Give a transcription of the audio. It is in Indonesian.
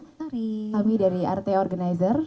selamat sore kami dari rt organizer